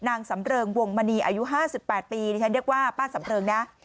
นางสำเริงวงมณีอายุห้าสิบแปดปีฉันเรียกว่าป้าสำเริงน่ะ